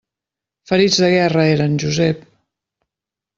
Ferits de guerra, eren, Josep!